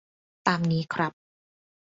ตามนี้ครับ